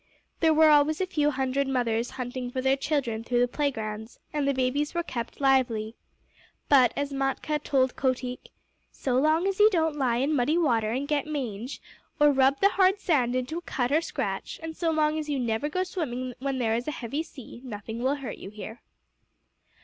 There were always a few hundred mothers hunting for their children through the playgrounds, and the babies were kept lively. But, as Matkah told Kotick, "So long as you don't lie in muddy water and get mange, or rub the hard sand into a cut or scratch, and so long as you never go swimming when there is a heavy sea, nothing will hurt you here."